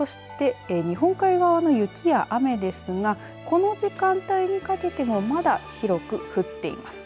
そして、日本海側の雪や雨ですがこの時間帯にかけてもまだ広く降っています。